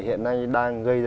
hiện nay đang gây ra